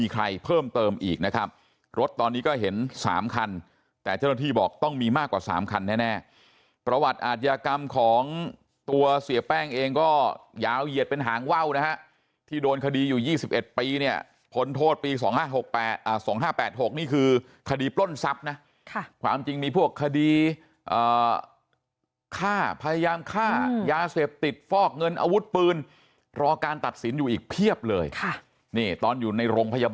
ใครเพิ่มเติมอีกนะครับรถตอนนี้ก็เห็น๓คันแต่เจ้าหน้าที่บอกต้องมีมากกว่า๓คันแน่ประวัติอาทยากรรมของตัวเสียแป้งเองก็ยาวเหยียดเป็นหางว่าวนะฮะที่โดนคดีอยู่๒๑ปีเนี่ยพ้นโทษปี๒๕๖๒๕๘๖นี่คือคดีปล้นทรัพย์นะความจริงมีพวกคดีฆ่าพยายามฆ่ายาเสพติดฟอกเงินอาวุธปืนรอการตัดสินอยู่อีกเพียบเลยค่ะนี่ตอนอยู่ในโรงพยาบาล